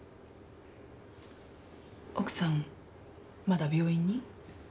奥さんまだ病院に？